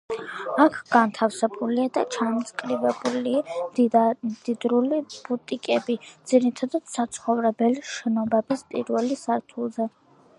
აქ განთავსებულია და ჩამწკრივებული მდიდრული ბუტიკები, ძირითადად საცხოვრებელი შენობების პირველ სართულზე.